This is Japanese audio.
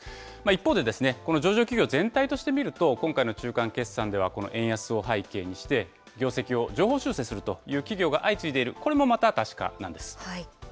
一方で、この上場企業全体としてみると、今回中間決算では、この円安を背景にして、業績を上方修正するという企業が相次いでいる、これもまた確かなんです。